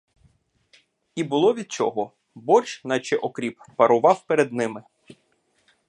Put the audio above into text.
І було від чого: борщ, наче окріп, парував перед ними.